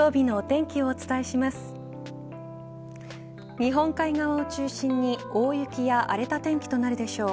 日本海側を中心に大雪や荒れた天気となるでしょう。